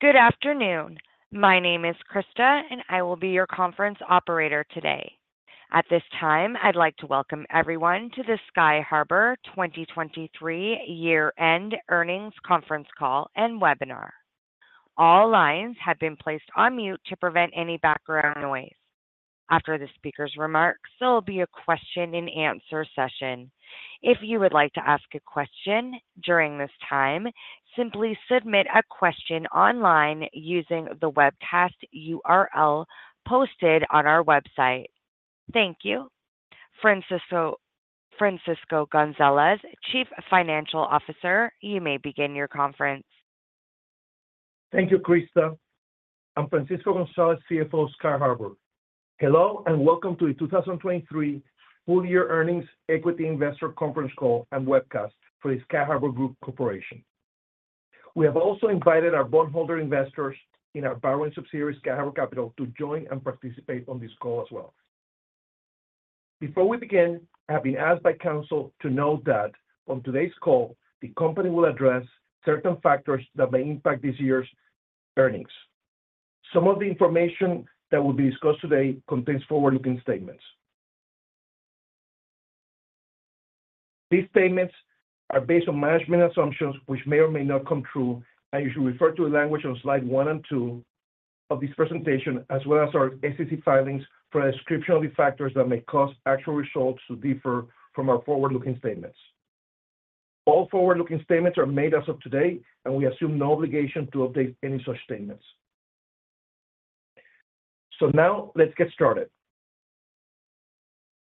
Good afternoon. My name is Krista, and I will be your conference operator today. At this time, I'd like to welcome everyone to the Sky Harbour 2023 year-end earnings conference call and webinar. All lines have been placed on mute to prevent any background noise. After the speaker's remarks, there will be a question and answer session. If you would like to ask a question during this time, simply submit a question online using the webcast URL posted on our website. Thank you. Francisco, Francisco Gonzalez, Chief Financial Officer, you may begin your conference. Thank you, Krista. I'm Francisco Gonzalez, CFO of Sky Harbour. Hello, and welcome to the 2023 full year earnings equity investor conference call and webcast for the Sky Harbour Group Corporation. We have also invited our bondholder investors in our borrowing subsidiary, Sky Harbour Capital, to join and participate on this call as well. Before we begin, I have been asked by counsel to note that on today's call, the company will address certain factors that may impact this year's earnings. Some of the information that will be discussed today contains forward-looking statements. These statements are based on management assumptions, which may or may not come true, and you should refer to the language on slide one and two of this presentation, as well as our SEC filings for a description of the factors that may cause actual results to differ from our forward-looking statements. All forward-looking statements are made as of today, and we assume no obligation to update any such statements. Now let's get started.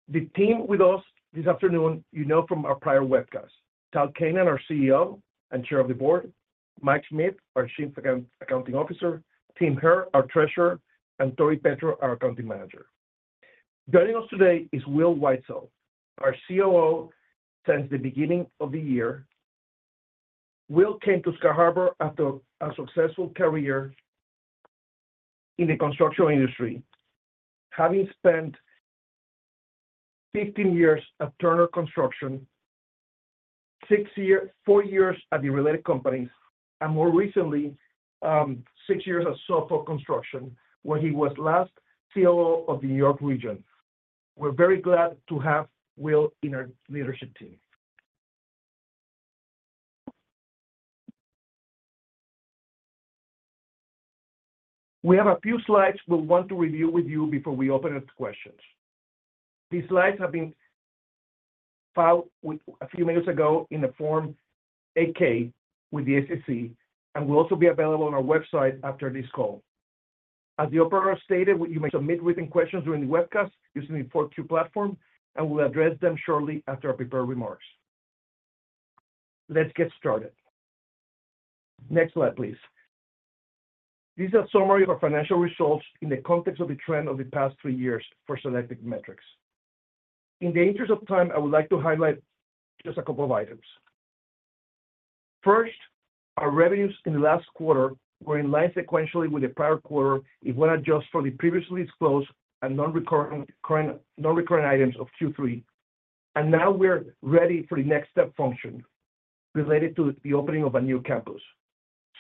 The team with us this afternoon, you know from our prior webcasts. Tal Keinan, our CEO and Chair of the Board, Mike Schmidt, our Chief Accounting Officer, Tim Herr, our Treasurer, and Tori Petro, our Accounting Manager. Joining us today is Will Whitesell, our COO since the beginning of the year. Will came to Sky Harbour after a successful career in the construction industry, having spent 15 years at Turner Construction, four years at the Related Companies, and more recently, six years at Suffolk Construction, where he was last COO of the New York Region. We're very glad to have Will in our leadership team. We have a few slides we'll want to review with you before we open it to questions. These slides have been filed a few minutes ago in a Form 8-K with the SEC, and will also be available on our website after this call. As the operator stated, you may submit written questions during the webcast using the Q&A platform, and we'll address them shortly after our prepared remarks. Let's get started. Next slide, please. These are summary of our financial results in the context of the trend of the past three years for selected metrics. In the interest of time, I would like to highlight just a couple of items. First, our revenues in the last quarter were in line sequentially with the prior quarter, if when adjusted for the previously disclosed and nonrecurrent, current, nonrecurring items of Q3. And now we're ready for the next step function related to the opening of a new campus,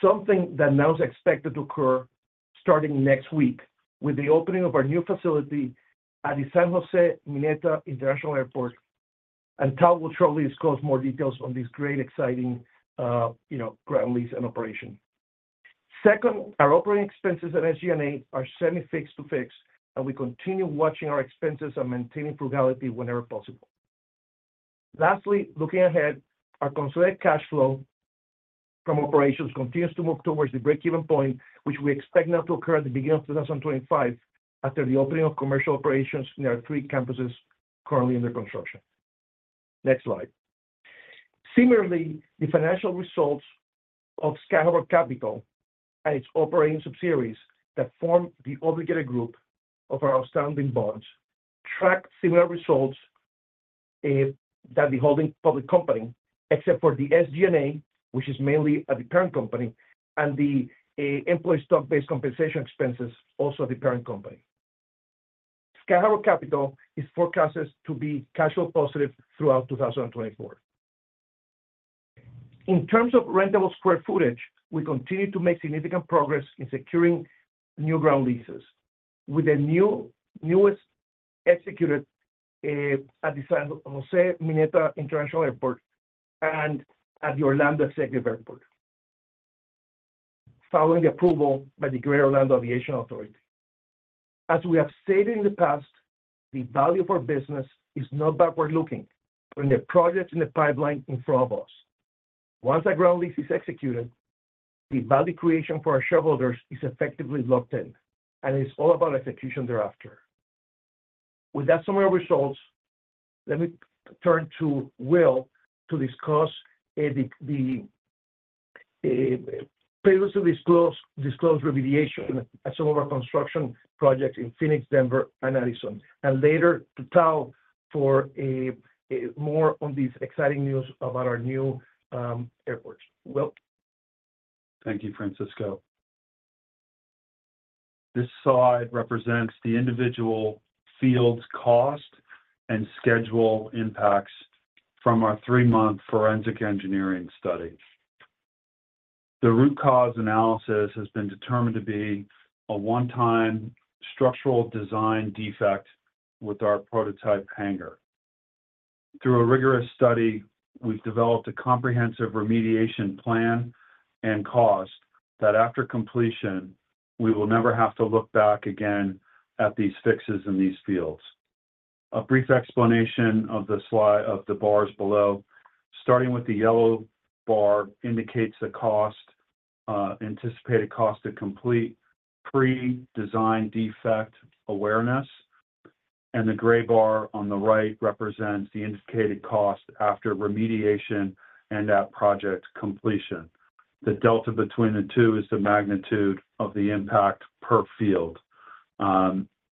something that now is expected to occur starting next week with the opening of our new facility at the San José Mineta International Airport, and Tal will shortly disclose more details on this great exciting, you know, ground lease and operation. Second, our operating expenses at SG&A are semi-fixed to fixed, and we continue watching our expenses and maintaining frugality whenever possible. Lastly, looking ahead, our consolidated cash flow from operations continues to move towards the break-even point, which we expect now to occur at the beginning of 2025, after the opening of commercial operations in our three campuses currently under construction. Next slide. Similarly, the financial results of Sky Harbour Capital and its operating subsidiaries that form the obligated group of our outstanding bonds track similar results than the holding public company, except for the SG&A, which is mainly at the parent company, and the employee stock-based compensation expenses, also the parent company. Sky Harbour Capital is forecasted to be cash flow positive throughout 2024. In terms of rentable square footage, we continue to make significant progress in securing new ground leases, with the new, newest executed at the San José Mineta International Airport and at the Orlando Executive Airport, following approval by the Greater Orlando Aviation Authority. As we have stated in the past, the value for business is not backward-looking on the projects in the pipeline in front of us. Once a ground lease is executed, the value creation for our shareholders is effectively locked in, and it's all about execution thereafter. With that summary of results, let me turn to Will to discuss the previously disclosed remediation at some of our construction projects in Phoenix, Denver, and Addison, and later to Tal for more on these exciting news about our new airports. Will? Thank you, Francisco.... This slide represents the individual field's cost and schedule impacts from our three-month forensic engineering study. The root cause analysis has been determined to be a one-time structural design defect with our prototype hangar. Through a rigorous study, we've developed a comprehensive remediation plan and cost, that after completion, we will never have to look back again at these fixes in these fields. A brief explanation of the bars below. Starting with the yellow bar, indicates the cost, anticipated cost to complete pre-design defect awareness, and the gray bar on the right represents the indicated cost after remediation and at project completion. The delta between the two is the magnitude of the impact per field.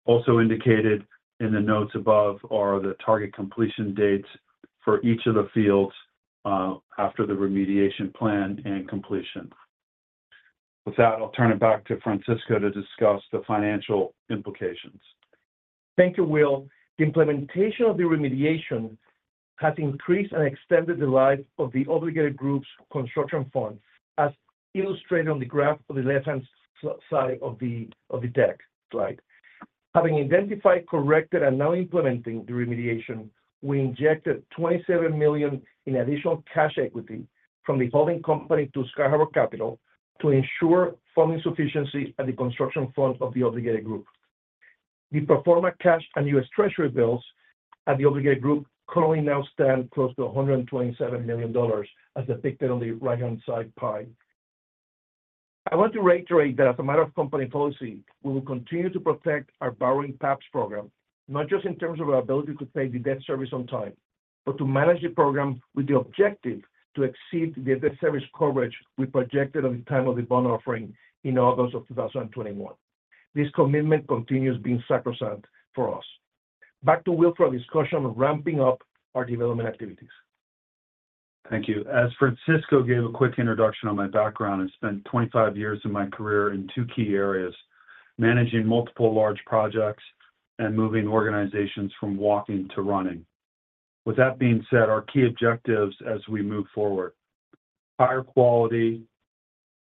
Also indicated in the notes above are the target completion dates for each of the fields, after the remediation plan and completion. .With that, I'll turn it back to Francisco to discuss the financial implications. Thank you, Will. The implementation of the remediation has increased and extended the life of the obligated group's construction fund, as illustrated on the graph on the left-hand side of the deck slide. Having identified, corrected, and now implementing the remediation, we injected $27 million in additional cash equity from the holding company to Sky Harbour Capital to ensure funding sufficiency at the construction fund of the obligated group. The pro forma cash and U.S. Treasury bills at the obligated group currently now stand close to $127 million, as depicted on the right-hand side pie. I want to reiterate that as a matter of company policy, we will continue to protect our borrowing PABs program, not just in terms of our ability to pay the debt service on time, but to manage the program with the objective to exceed the debt service coverage we projected at the time of the bond offering in August of 2021. This commitment continues being sacrosanct for us. Back to Will for a discussion on ramping up our development activities. Thank you. As Francisco gave a quick introduction on my background, I spent 25 years of my career in two key areas: managing multiple large projects and moving organizations from walking to running. With that being said, our key objectives as we move forward: higher quality,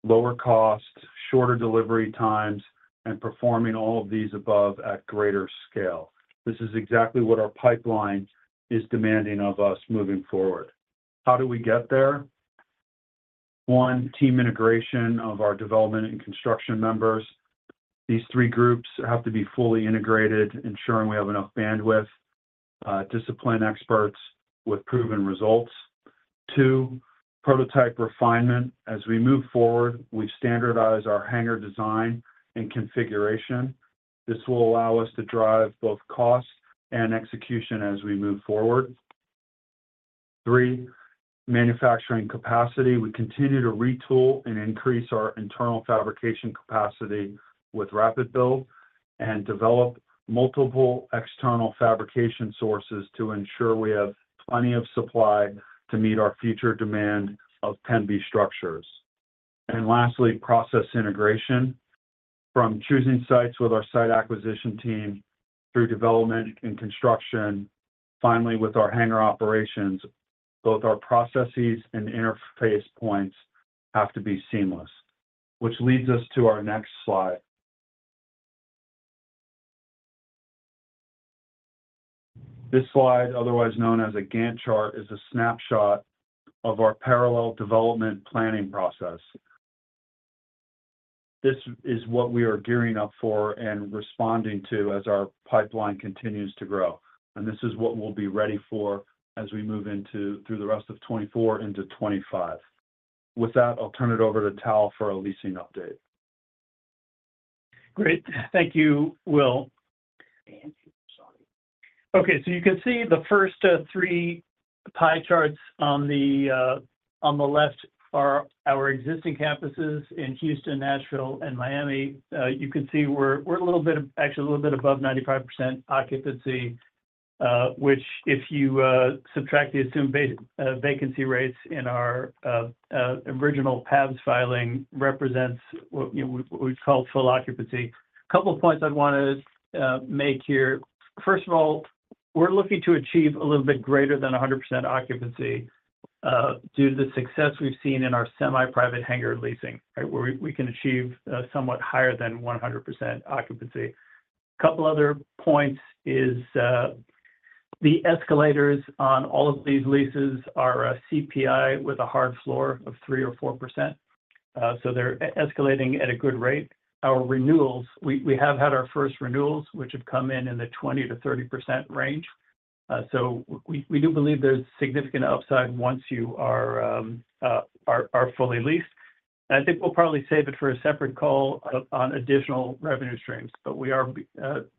lower cost, shorter delivery times, and performing all of these above at greater scale. This is exactly what our pipeline is demanding of us moving forward. How do we get there? One, team integration of our development and construction members. These three groups have to be fully integrated, ensuring we have enough bandwidth, discipline experts with proven results. Two, prototype refinement. As we move forward, we standardize our hangar design and configuration. This will allow us to drive both costs and execution as we move forward. Three, manufacturing capacity. We continue to retool and increase our internal fabrication capacity with rapid build and develop multiple external fabrication sources to ensure we have plenty of supply to meet our future demand of PEMB structures. Lastly, process integration. From choosing sites with our site acquisition team through development and construction, finally, with our hangar operations, both our processes and interface points have to be seamless. Which leads us to our next slide. This slide, otherwise known as a Gantt chart, is a snapshot of our parallel development planning process. This is what we are gearing up for and responding to as our pipeline continues to grow, and this is what we'll be ready for as we move through the rest of 2024 into 2025. With that, I'll turn it over to Tal for a leasing update. Great. Thank you, Will. Okay, so you can see the first three pie charts on the left are our existing campuses in Houston, Nashville, and Miami. You can see we're actually a little bit above 95% occupancy, which if you subtract the assumed vacancy rates in our original PABs filing, represents what, you know, we call full occupancy. A couple of points I'd want to make here. First of all, we're looking to achieve a little bit greater than 100% occupancy, due to the success we've seen in our semi-private hangar leasing, right? Where we can achieve somewhat higher than 100% occupancy. Couple other points is, the escalators on all of these leases are a CPI with a hard floor of 3% or 4%. So they're escalating at a good rate. Our renewals, we, we have had our first renewals, which have come in in the 20%-30% range. So we, we do believe there's significant upside once you are, are fully leased. I think we'll probably save it for a separate call on, on additional revenue streams, but we are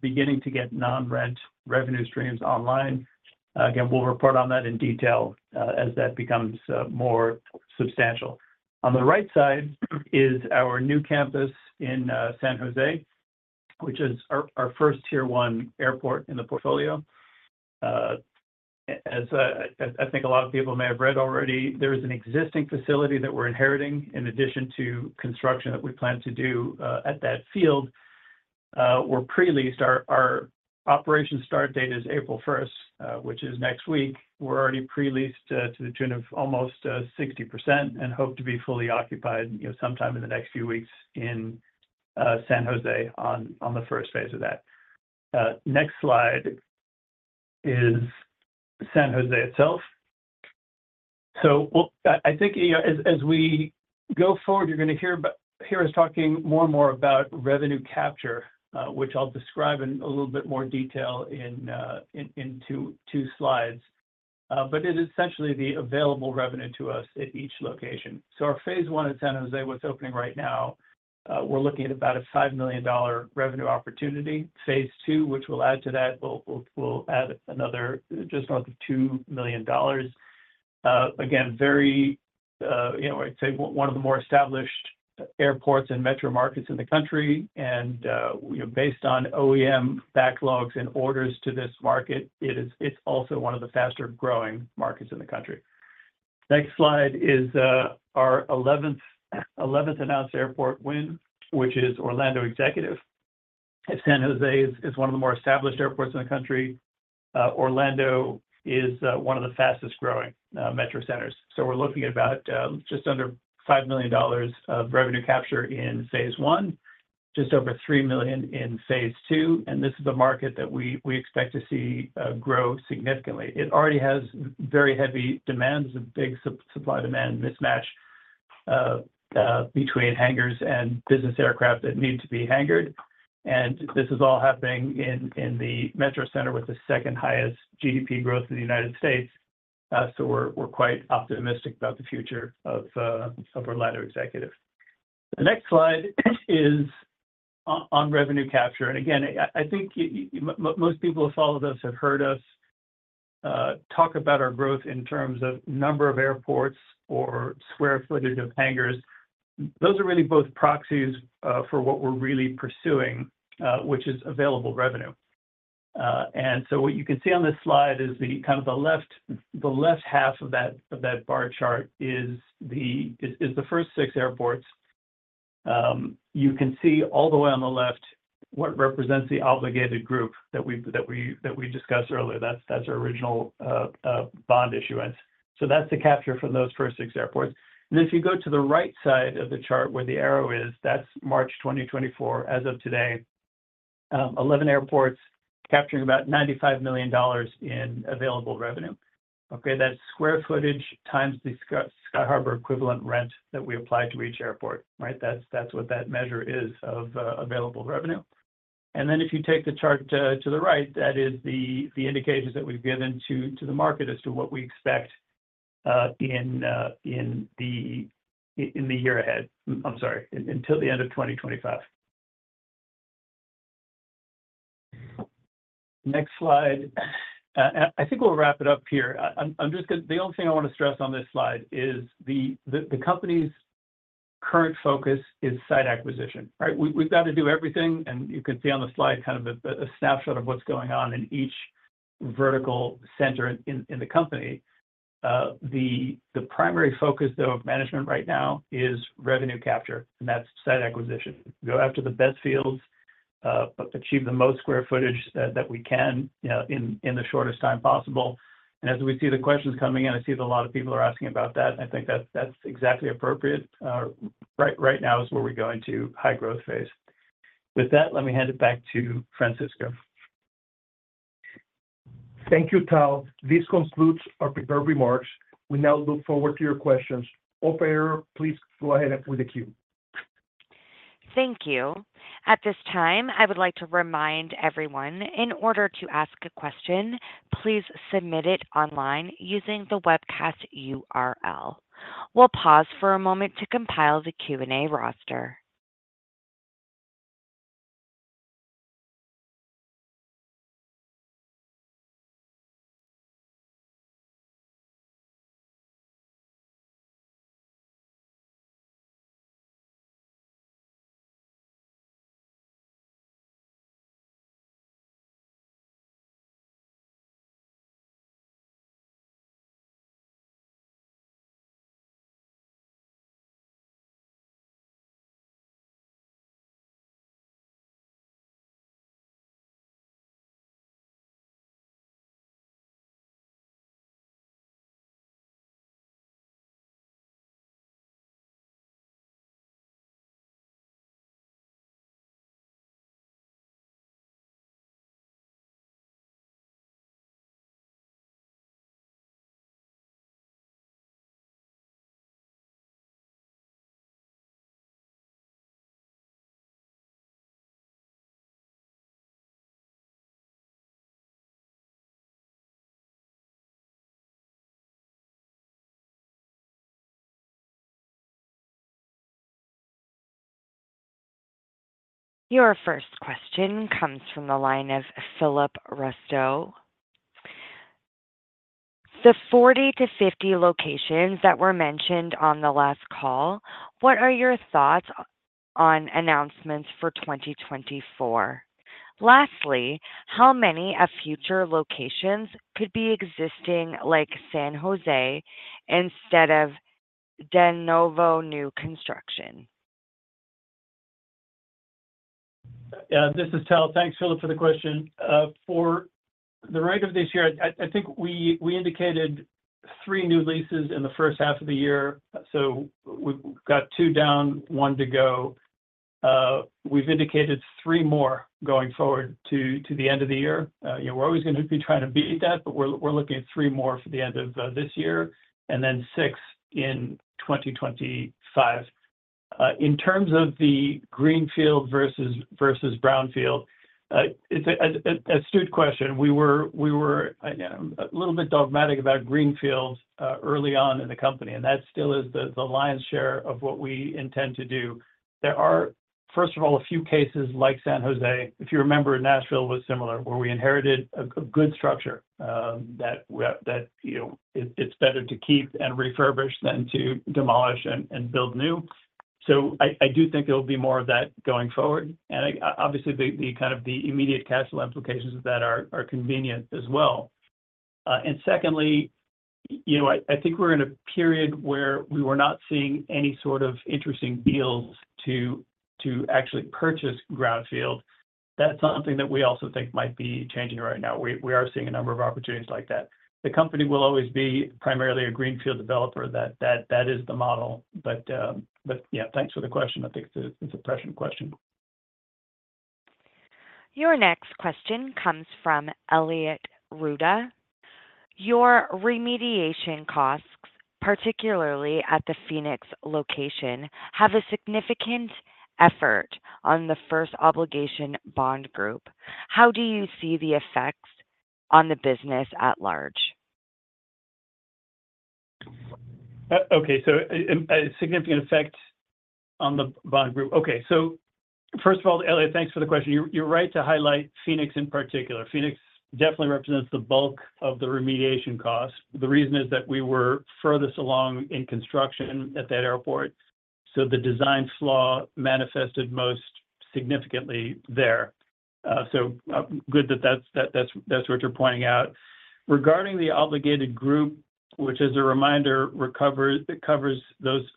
beginning to get non-rent revenue streams online. Again, we'll report on that in detail, as that becomes, more substantial. On the right side is our new campus in, San José, which is our, our first Tier 1 airport in the portfolio. As I think a lot of people may have read already, there is an existing facility that we're inheriting, in addition to construction that we plan to do at that field. We're pre-leased. Our operation start date is April first, which is next week. We're already pre-leased to the tune of almost 60% and hope to be fully occupied, you know, sometime in the next few weeks in San José on the first phase of that. Next slide is San José itself. So well, I think, you know, as we go forward, you're gonna hear us talking more and more about revenue capture, which I'll describe in a little bit more detail in two slides. But it is essentially the available revenue to us at each location. So our phase one in San José, what's opening right now, we're looking at about a $5 million revenue opportunity. Phase two, which we'll add to that, we'll add another just under $2 million. Again, very, you know, I'd say one of the more established airports and metro markets in the country, and, you know, based on OEM backlogs and orders to this market, it's also one of the faster-growing markets in the country. Next slide is our eleventh announced airport win, which is Orlando Executive. If San José is one of the more established airports in the country, Orlando is one of the fastest-growing metro centers. So we're looking at about, just under $5 million of revenue capture in phase one, just over $3 million in phase two, and this is a market that we, we expect to see grow significantly. It already has very heavy demands, a big supply-demand mismatch, between hangars and business aircraft that need to be hangared. And this is all happening in, in the metro center with the second-highest GDP growth in the United States. So we're, we're quite optimistic about the future of, of Orlando Executive. The next slide is on, on revenue capture. And again, I, I think most people who followed us have heard us, talk about our growth in terms of number of airports or square footage of hangars. Those are really both proxies, for what we're really pursuing, which is available revenue. What you can see on this slide is the left half of that bar chart is the first six airports. You can see all the way on the left what represents the obligated group that we discussed earlier. That's our original bond issuance. So that's the capture from those first six airports. And if you go to the right side of the chart where the arrow is, that's March 2024. As of today, 11 airports capturing about $95 million in available revenue. Okay, that's square footage times the Sky Harbour equivalent rent that we apply to each airport. Right? That's what that measure is of, available revenue. And then if you take the chart to the right, that is the indicators that we've given to the market as to what we expect in the year ahead. I'm sorry, until the end of 2025. Next slide. I think we'll wrap it up here. I'm just gonna... The only thing I wanna stress on this slide is the company's current focus is site acquisition, right? We've got to do everything, and you can see on the slide kind of a snapshot of what's going on in each vertical center in the company. The primary focus, though, of management right now is revenue capture, and that's site acquisition. Go after the best fields, achieve the most square footage that we can, you know, in the shortest time possible. As we see the questions coming in, I see that a lot of people are asking about that, and I think that's, that's exactly appropriate. Right, right now is where we go into high-growth phase. With that, let me hand it back to Francisco. Thank you, Tal. This concludes our prepared remarks. We now look forward to your questions. Operator, please go ahead with the queue. Thank you. At this time, I would like to remind everyone, in order to ask a question, please submit it online using the webcast URL. We'll pause for a moment to compile the Q&A roster. Your first question comes from the line of Philip Rustow. The 40-50 locations that were mentioned on the last call, what are your thoughts on announcements for 2024? Lastly, how many of future locations could be existing, like San José, instead of de novo new construction? This is Tal. Thanks, Philip, for the question. For the rest of this year, I think we indicated three new leases in the first half of the year, so we've got two down, one to go. We've indicated three more going forward to the end of the year. You know, we're always gonna be trying to beat that, but we're looking at three more for the end of this year and then six in 2025. In terms of the greenfield versus brownfield, it's an astute question. We were a little bit dogmatic about greenfields early on in the company, and that still is the lion's share of what we intend to do. There are, first of all, a few cases like San José, if you remember. Nashville was similar, where we inherited a good structure, that we have—that, you know, it, it's better to keep and refurbish than to demolish and build new. So I do think there will be more of that going forward. And obviously, the kind of the immediate cash flow implications of that are convenient as well. And secondly, you know, I think we're in a period where we were not seeing any sort of interesting deals to actually purchase ground lease. That's something that we also think might be changing right now. We are seeing a number of opportunities like that. The company will always be primarily a greenfield developer, that is the model. But yeah, thanks for the question. I think it's a pertinent question. Your next question comes from Elliot Ruda. Your remediation costs, particularly at the Phoenix location, have a significant effect on the first obligation bond group. How do you see the effects on the business at large? Okay, so a significant effect on the bond group. Okay, so first of all, Elliot, thanks for the question. You're right to highlight Phoenix in particular. Phoenix definitely represents the bulk of the remediation cost. The reason is that we were furthest along in construction at that airport, so the design flaw manifested most significantly there. Good that that's what you're pointing out. Regarding the obligated group, which is a reminder, it covers those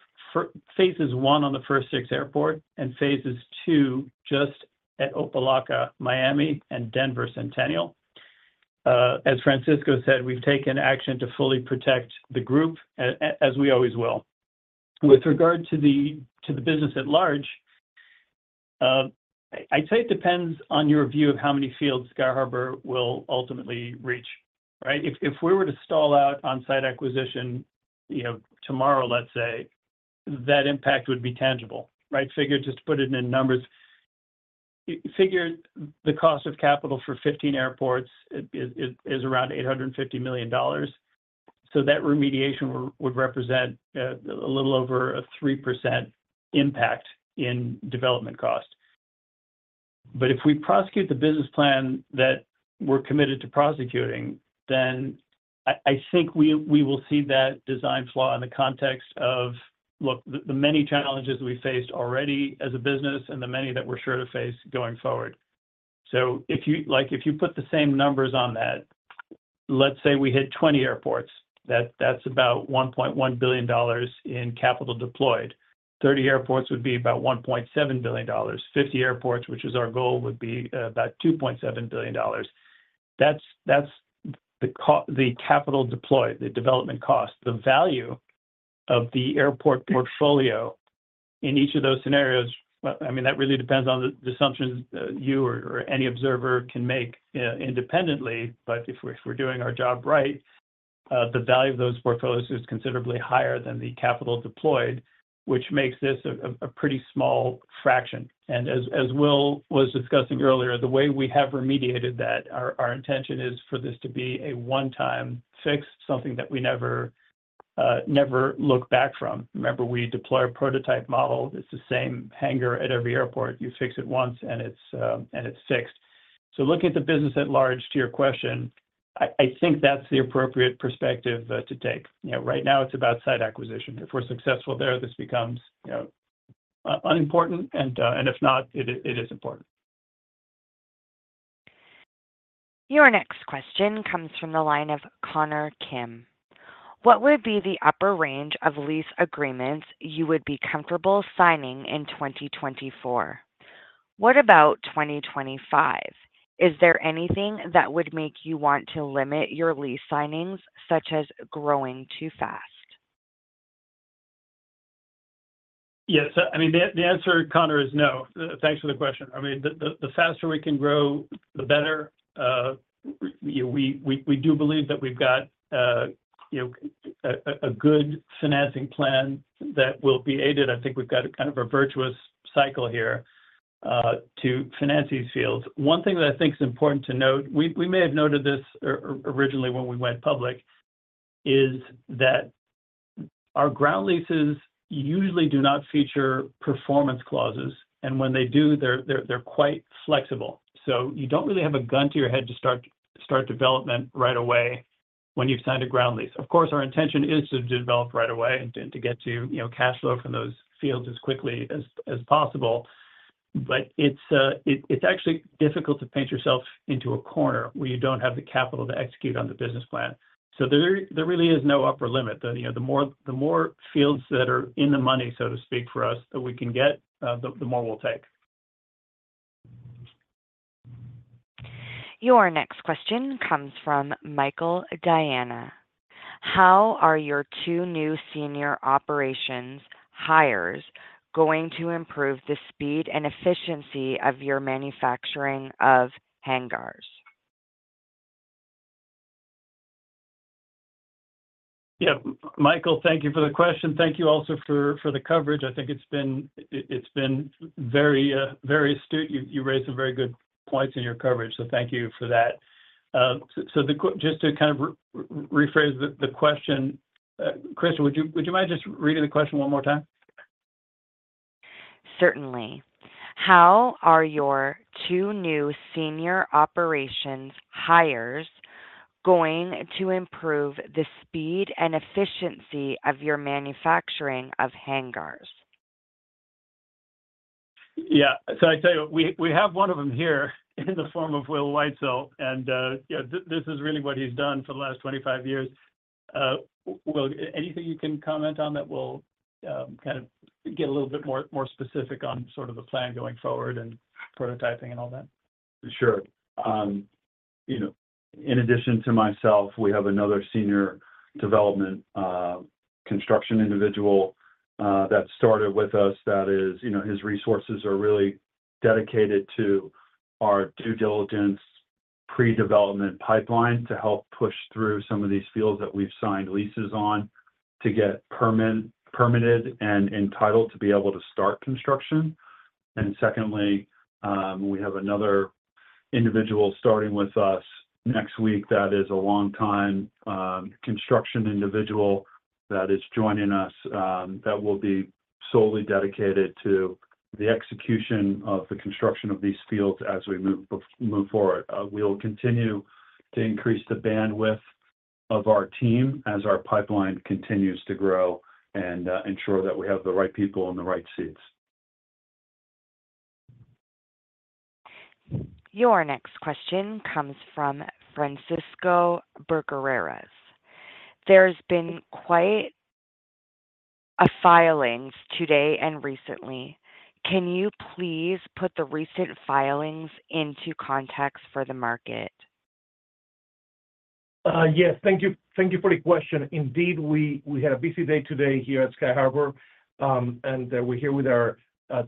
phases one on the first six airports and phases two just at Opa-locka, Miami, and Denver Centennial. As Francisco said, we've taken action to fully protect the group, as we always will. With regard to the business at large, I'd say it depends on your view of how many fields Sky Harbour will ultimately reach, right? If, if we were to stall out on-site acquisition, you know, tomorrow, let's say, that impact would be tangible, right? Figure, just to put it in numbers, figure the cost of capital for 15 airports is around $850 million. So that remediation would represent a little over a 3% impact in development cost. But if we prosecute the business plan that we're committed to prosecuting, then I think we will see that design flaw in the context of, look, the many challenges we faced already as a business and the many that we're sure to face going forward. So if you—like, if you put the same numbers on that, let's say we hit 20 airports, that's about $1.1 billion in capital deployed. 30 airports would be about $1.7 billion. 50 airports, which is our goal, would be about $2.7 billion. That's the capital deployed, the development cost, the value of the airport portfolio in each of those scenarios. Well, I mean, that really depends on the assumptions you or any observer can make independently, but if we're doing our job right, the value of those portfolios is considerably higher than the capital deployed, which makes this a pretty small fraction. And as Will was discussing earlier, the way we have remediated that, our intention is for this to be a one-time fix, something that we never look back from. Remember, we deploy a prototype model. It's the same hangar at every airport. You fix it once, and it's and it's fixed. So looking at the business at large, to your question, I think that's the appropriate perspective to take. You know, right now it's about site acquisition. If we're successful there, this becomes, you know, unimportant, and if not, it is important. Your next question comes from the line of Connor Kim. What would be the upper range of lease agreements you would be comfortable signing in 2024? What about 2025? Is there anything that would make you want to limit your lease signings, such as growing too fast? Yes. I mean, the answer, Connor, is no. Thanks for the question. I mean, the faster we can grow, the better. We do believe that we've got, you know, a good financing plan that will be aided. I think we've got a kind of a virtuous cycle here to finance these fields. One thing that I think is important to note, we may have noted this or originally when we went public, is that our ground leases usually do not feature performance clauses, and when they do, they're quite flexible. So you don't really have a gun to your head to start development right away when you've signed a ground lease. Of course, our intention is to develop right away and to get to, you know, cash flow from those fields as quickly as possible. But it's actually difficult to paint yourself into a corner where you don't have the capital to execute on the business plan. So there really is no upper limit. You know, the more fields that are in the money, so to speak, for us, that we can get, the more we'll take. Your next question comes from Michael Diana. How are your two new senior operations hires going to improve the speed and efficiency of your manufacturing of hangars? Yeah, Michael, thank you for the question. Thank you also for the coverage. I think it's been very, very astute. You raised some very good points in your coverage, so thank you for that. So just to kind of rephrase the question, Crystal, would you mind just reading the question one more time? Certainly. How are your two new senior operations hires going to improve the speed and efficiency of your manufacturing of hangars? Yeah. So I tell you, we have one of them here in the form of Will Whitesell, and you know, this is really what he's done for the last 25 years. Will, anything you can comment on that will kind of get a little bit more specific on sort of the plan going forward and prototyping and all that? Sure. You know, in addition to myself, we have another senior development construction individual that started with us, that is, you know, his resources are really dedicated to our due diligence, pre-development pipeline to help push through some of these fields that we've signed leases on to get permitted and entitled to be able to start construction. And secondly, we have another individual starting with us next week, that is a long time construction individual that is joining us, that will be solely dedicated to the execution of the construction of these fields as we move forward. We'll continue to increase the bandwidth of our team as our pipeline continues to grow and ensure that we have the right people in the right seats. Your next question comes from Francisco Burgerras. There has been quite a few filings today and recently. Can you please put the recent filings into context for the market? Yes, thank you. Thank you for the question. Indeed, we had a busy day today here at Sky Harbor, and we're here with our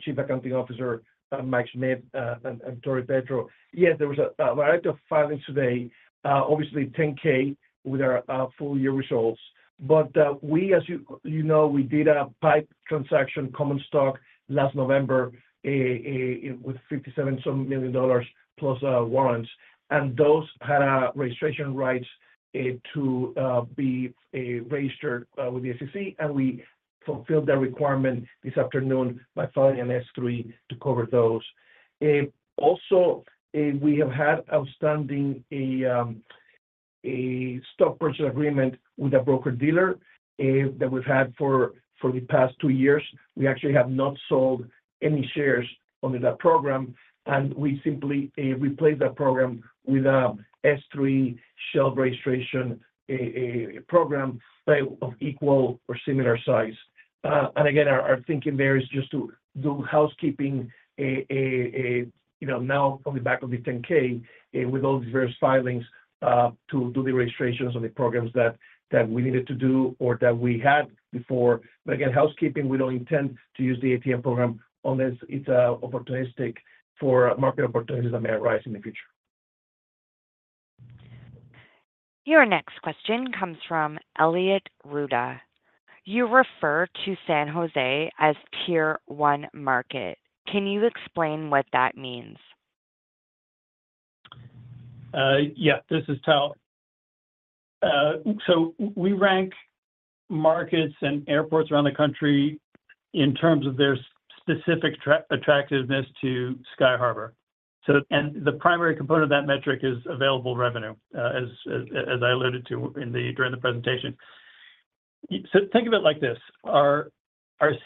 Chief Accounting Officer, Mike Schmidt, and Tori Petro. Yes, there was a variety of filings today, obviously, 10-K with our full year results. But, as you know, we did a PIPE transaction, common stock, last November, with $57 some million plus warrants, and those had registration rights to be registered with the SEC, and we fulfilled that requirement this afternoon by filing an S-3 to cover those. Also, we have had outstanding a stock purchase agreement with a broker-dealer that we've had for the past 2 years. We actually have not sold any shares under that program, and we simply replaced that program with a S-3 shelf registration, a program, but of equal or similar size. And again, our thinking there is just to do housekeeping, you know, now on the back of the 10-K, with all these various filings, to do the registrations on the programs that we needed to do or that we had before. But again, housekeeping, we don't intend to use the ATM program, unless it's opportunistic for market opportunities that may arise in the future. Your next question comes from Elliot Ruda. You refer to San José as Tier 1 market. Can you explain what that means? Yeah, this is Tal. So we rank markets and airports around the country in terms of their specific attractiveness to Sky Harbour. And the primary component of that metric is available revenue, as I alluded to during the presentation. So think of it like this: our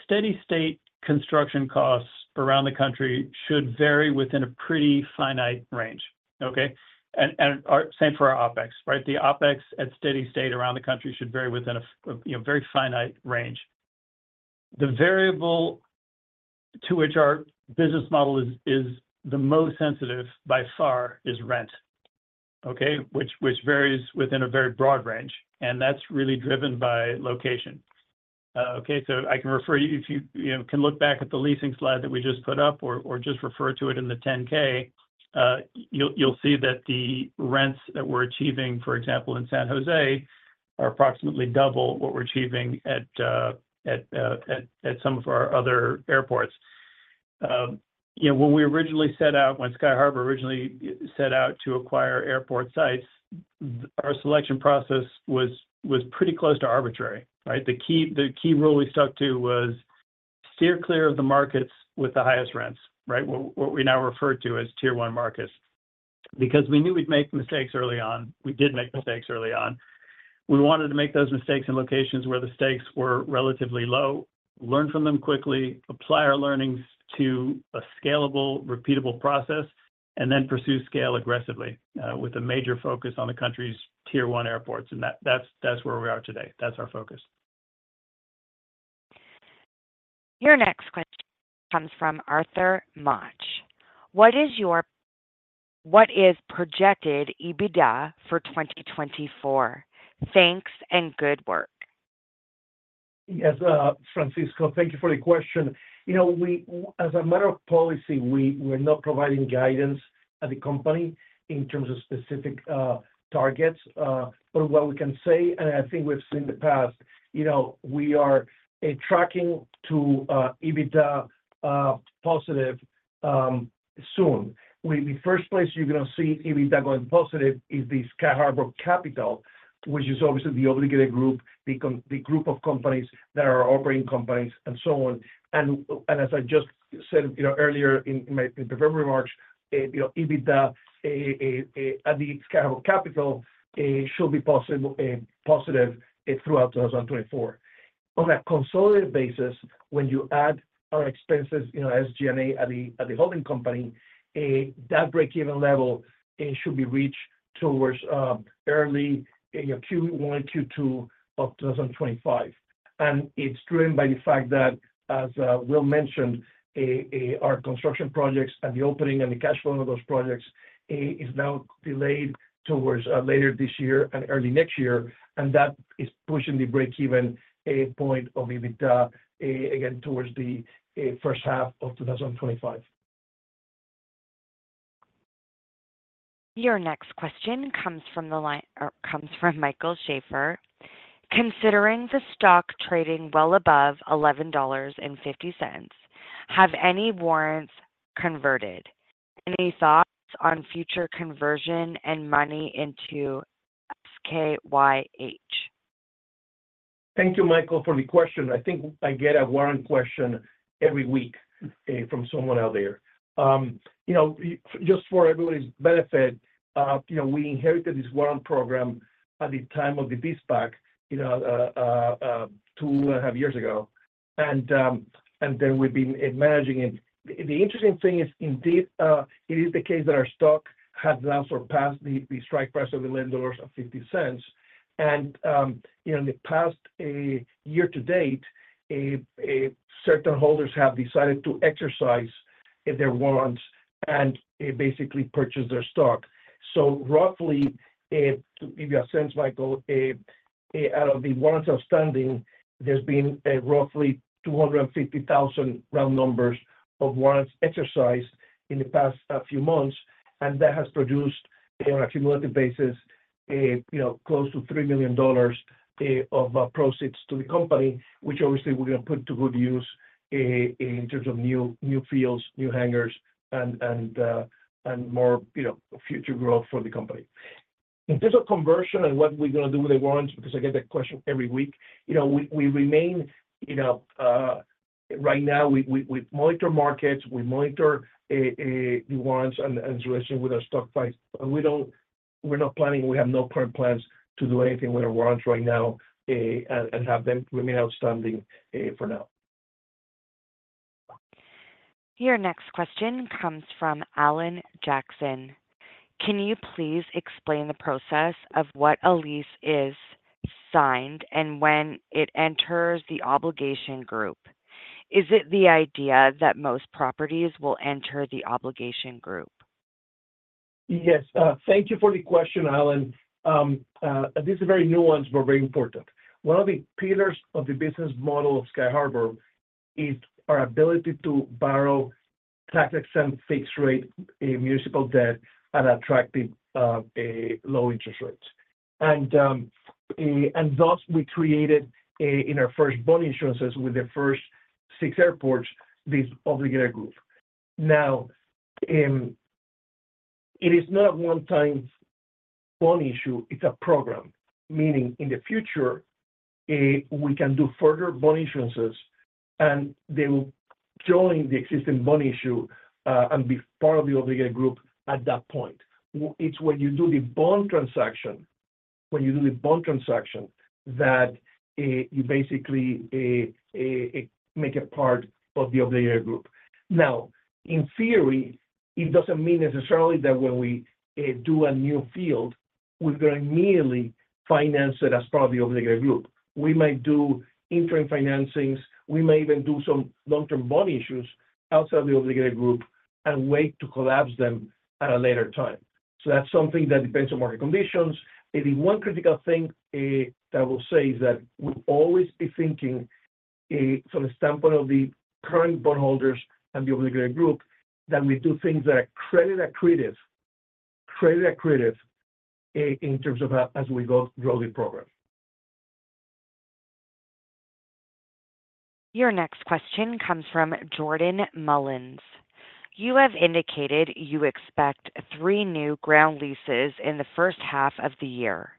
steady state construction costs around the country should vary within a pretty finite range, okay? And our same for our OpEx, right? The OpEx at steady state around the country should vary within a you know very finite range. The variable to which our business model is the most sensitive by far is rent, okay? Which varies within a very broad range, and that's really driven by location. Okay, so I can refer you, if you, you know, can look back at the leasing slide that we just put up or just refer to it in the 10-K. You'll see that the rents that we're achieving, for example, in San José, are approximately double what we're achieving at some of our other airports. You know, when we originally set out, when Sky Harbour originally set out to acquire airport sites, our selection process was pretty close to arbitrary, right? The key rule we stuck to was steer clear of the markets with the highest rents, right? What we now refer to as Tier 1 markets. Because we knew we'd make mistakes early on. We did make mistakes early on. We wanted to make those mistakes in locations where the stakes were relatively low, learn from them quickly, apply our learnings to a scalable, repeatable process, and then pursue scale aggressively, with a major focus on the country's Tier 1 airports. And that, that's where we are today. That's our focus. Your next question comes from Arthur Match. What is projected EBITDA for 2024? Thanks and good work. Yes, Francisco, thank you for the question. You know, we—as a matter of policy, we, we're not providing guidance at the company in terms of specific, targets. But what we can say, and I think we've seen in the past, you know, we are, tracking to, EBITDA, positive, soon. The first place you're gonna see EBITDA going positive is the Sky Harbour Capital, which is obviously the obligated group, the group of companies that are operating companies and so on. And, and as I just said, you know, earlier in my, in November remarks, you know, EBITDA, at the Sky Harbour Capital, should be possible, positive throughout 2024. On a consolidated basis, when you add our expenses, you know, SG&A at the holding company, that break-even level should be reached towards early Q1, Q2 of 2025. It's driven by the fact that, as Will mentioned, our construction projects and the opening and the cash flow of those projects is now delayed towards later this year and early next year, and that is pushing the break-even point of EBITDA, again, towards the first half of 2025. Your next question comes from the line of Michael Schaefer. Considering the stock trading well above $11.50, have any warrants converted? Any thoughts on future conversion and money into SKYH? Thank you, Michael, for the question. I think I get a warrant question every week from someone out there. You know, just for everybody's benefit, you know, we inherited this warrant program at the time of the de-SPAC, you know, 2.5 years ago, and then we've been managing it. The interesting thing is, indeed, it is the case that our stock has now surpassed the strike price of $11.50. And, you know, in the past year to date, certain holders have decided to exercise their warrants and basically purchase their stock. So roughly, to give you a sense, Michael, out of the warrants outstanding, there's been roughly 250,000 round numbers of warrants exercised in the past few months, and that has produced, on a cumulative basis, you know, close to $3 million of proceeds to the company, which obviously we're going to put to good use in terms of new, new fields, new hangars, and, and, and more, you know, future growth for the company. In terms of conversion and what we're gonna do with the warrants, because I get that question every week, you know, we, we remain, you know... Right now, we, we, we monitor markets, we monitor the warrants and, and relation with our stock price. We're not planning. We have no current plans to do anything with our warrants right now, and have them remain outstanding for now. Your next question comes from Alan Jackson. Can you please explain the process of what a lease is signed and when it enters the obligation group? Is it the idea that most properties will enter the obligation group? Yes. Thank you for the question, Alan. This is very nuanced, but very important. One of the pillars of the business model of Sky Harbour is our ability to borrow tax-exempt, fixed-rate, municipal debt at attractive, low interest rates. And thus, we created, in our first bond issuances with the first six airports, this obligor group. Now, it is not a one-time bond issue, it's a program, meaning in the future, we can do further bond issuances, and they will join the existing bond issue, and be part of the obligor group at that point. It's when you do the bond transaction, that you basically make it part of the obligor group. Now, in theory, it doesn't mean necessarily that when we do a new field, we're gonna immediately finance it as part of the obligor group. We might do interim financings, we may even do some long-term bond issues outside the obligor group and wait to collapse them at a later time. So that's something that depends on market conditions. The one critical thing that I will say is that we'll always be thinking from the standpoint of the current bondholders and the obligor group, that we do things that are credit accretive, credit accretive in terms of as we go grow the program. Your next question comes from Jordan Mullins. You have indicated you expect three new ground leases in the first half of the year.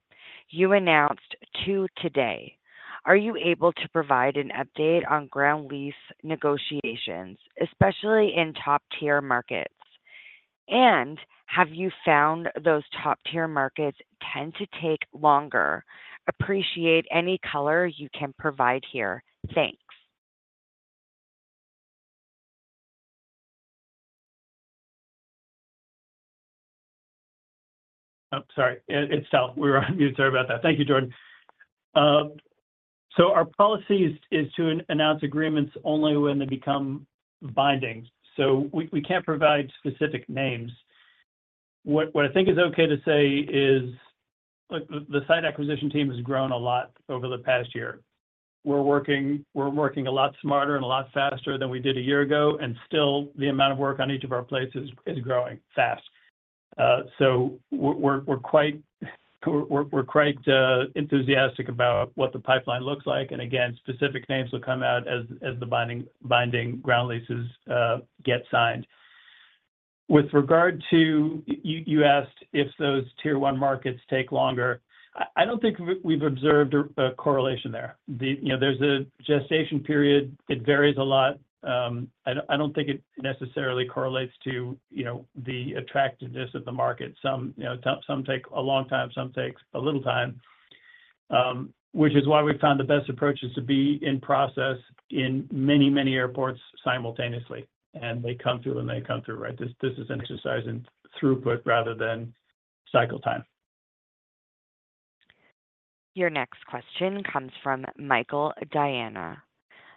You announced two today. Are you able to provide an update on ground lease negotiations, especially in top-tier markets? And have you found those top-tier markets tend to take longer? Appreciate any color you can provide here. Thanks. Oh, sorry, it's Tal. We're on mute. Sorry about that. Thank you, Jordan. So our policy is to announce agreements only when they become binding, so we can't provide specific names. What I think is okay to say is, look, the site acquisition team has grown a lot over the past year. We're working a lot smarter and a lot faster than we did a year ago, and still the amount of work on each of our plates is growing fast. So we're quite enthusiastic about what the pipeline looks like. And again, specific names will come out as the binding ground leases get signed. With regard to... You asked if those Tier 1 markets take longer. I don't think we've observed a correlation there. You know, there's a gestation period; it varies a lot. I don't think it necessarily correlates to, you know, the attractiveness of the market. Some, you know, some take a long time, some take a little time, which is why we found the best approach is to be in process in many, many airports simultaneously, and they come through when they come through, right? This is an exercise in throughput rather than cycle time. Your next question comes from Michael Diana.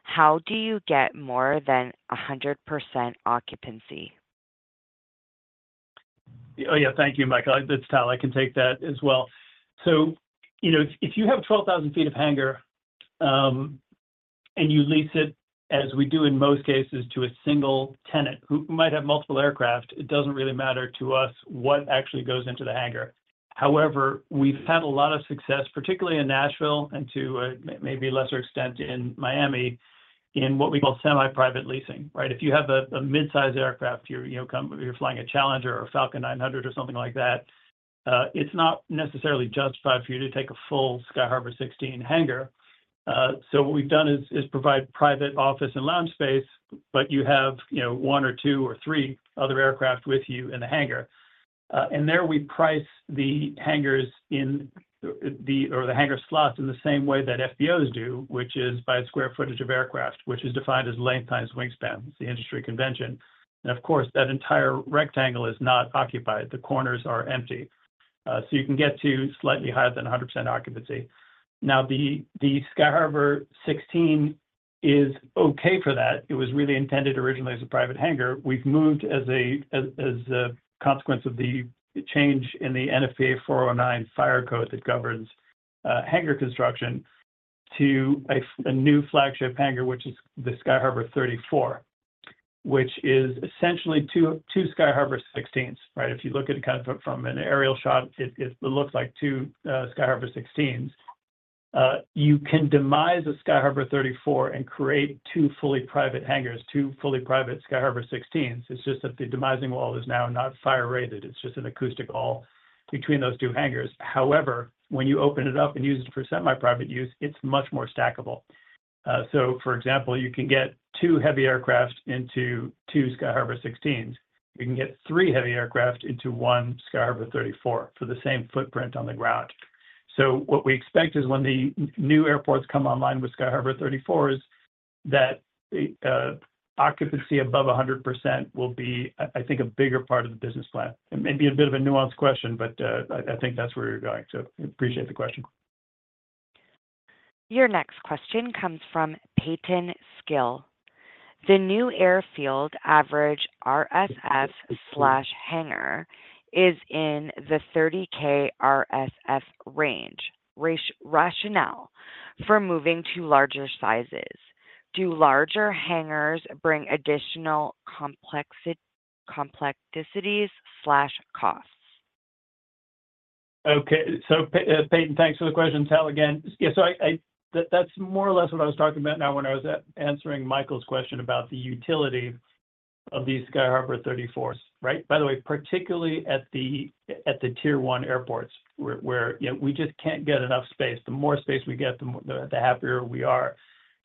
How do you get more than 100% occupancy? Oh, yeah. Thank you, Michael. It's Tal. I can take that as well. So, you know, if you have 12,000 feet of hangar and you lease it, as we do in most cases, to a single tenant who might have multiple aircraft, it doesn't really matter to us what actually goes into the hangar. However, we've had a lot of success, particularly in Nashville and to a maybe lesser extent in Miami, in what we call semi-private leasing, right? If you have a mid-size aircraft, you're, you know, you're flying a Challenger or Falcon 900 or something like that, it's not necessarily justified for you to take a full Sky Harbour 16 hangar. So what we've done is provide private office and lounge space, but you have, you know, one or two or three other aircraft with you in the hangar. And there we price the hangars in the, or the hangar slots in the same way that FBOs do, which is by square footage of aircraft, which is defined as length times wingspan. It's the industry convention. And of course, that entire rectangle is not occupied. The corners are empty, so you can get to slightly higher than 100% occupancy. Now, the Sky Harbour 16 is okay for that. It was really intended originally as a private hangar. We've moved as a, as, as a consequence of the change in the NFPA 409 fire code that governs hangar construction to a new flagship hangar, which is the Sky Harbour 34, which is essentially two, two Sky Harbour 16s, right? If you look at it kind of from an aerial shot, it looks like two Sky Harbour 16s. You can demise a Sky Harbour 34 and create two fully private hangars, two fully private Sky Harbour 16s. It's just that the demising wall is now not fire-rated. It's just an acoustic wall between those two hangars. However, when you open it up and use it for semi-private use, it's much more stackable. So for example, you can get two heavy aircraft into two Sky Harbour 16s. You can get three heavy aircraft into one Sky Harbour 34 for the same footprint on the ground. So what we expect is when the new airports come online with Sky Harbour 34s, that the occupancy above 100% will be, I, I think, a bigger part of the business plan. It may be a bit of a nuanced question, but, I, I think that's where we're going, so appreciate the question. Your next question comes from Peyton Skill. The new airfield average RSF/hangar is in the 30K RSF range. Rationale for moving to larger sizes. Do larger hangars bring additional complexities/costs? Okay. So Peyton, thanks for the question. Tal again. Yeah, so I. That's more or less what I was talking about now when I was answering Michael's question about the utility of these Sky Harbour 34s, right? By the way, particularly at the Tier 1 airports, where, you know, we just can't get enough space. The more space we get, the more, the happier we are.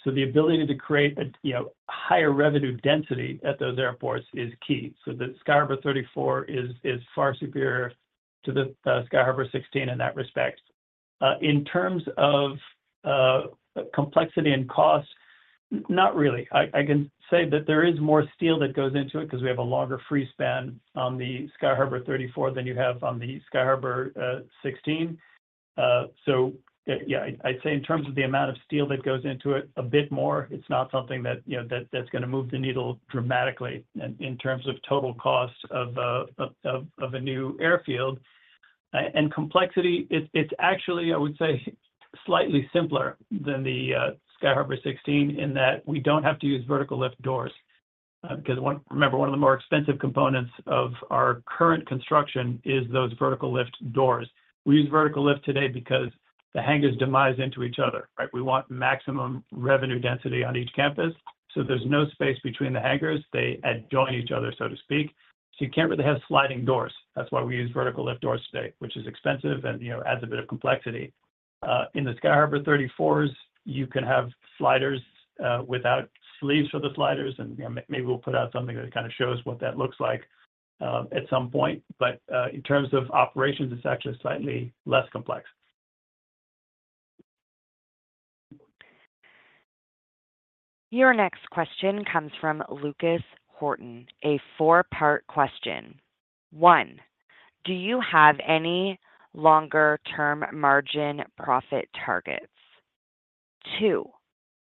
So the ability to create a, you know, higher revenue density at those airports is key. So the Sky Harbour 34 is far superior to the Sky Harbour 16 in that respect. In terms of complexity and cost, not really. I can say that there is more steel that goes into it because we have a longer free span on the Sky Harbour 34 than you have on the Sky Harbour 16. So yeah, I'd say in terms of the amount of steel that goes into it, a bit more. It's not something that, you know, that's going to move the needle dramatically in terms of total cost of a new airfield. And complexity, it's actually, I would say, slightly simpler than the Sky Harbour 16, in that we don't have to use vertical lift doors because one, remember, one of the more expensive components of our current construction is those vertical lift doors. We use vertical lift today because the hangars demise into each other, right? We want maximum revenue density on each campus, so there's no space between the hangars. They adjoin each other, so to speak. So you can't really have sliding doors. That's why we use vertical lift doors today, which is expensive and, you know, adds a bit of complexity. In the Sky Harbour 34s, you can have sliders, without sleeves for the sliders, and, you know, maybe we'll put out something that kind of shows what that looks like, at some point. But, in terms of operations, it's actually slightly less complex. Your next question comes from Lucas Horton. A four-part question. One, do you have any longer term margin profit targets? Two,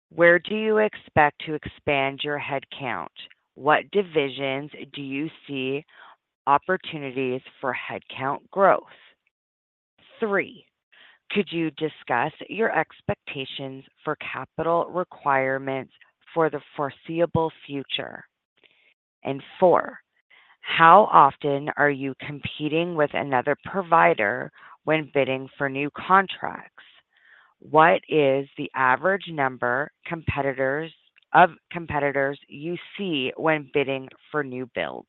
where do you expect to expand your headcount? What divisions do you see opportunities for headcount growth? Three, could you discuss your expectations for capital requirements for the foreseeable future? And four, how often are you competing with another provider when bidding for new contracts? What is the average number of competitors you see when bidding for new builds?